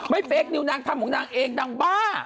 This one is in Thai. เฟคนิวนางทำของนางเองนางบ้า